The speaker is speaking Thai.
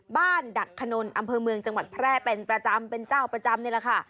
ดักขนนอำเภอเมืองจังหวัดแพร่เป็นประจำเป็นเจ้าประจำนี่แหละค่ะ